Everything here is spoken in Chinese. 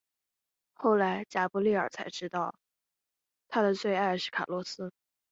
后来贾柏莉儿最后才知道她的最爱是卡洛斯。